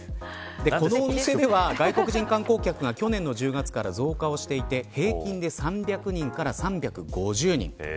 このお店では外国人観光客が去年の１０月から増加していて平均で３００人から３５０人。